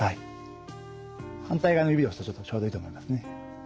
反対側の指で押すとちょうどいいと思いますね。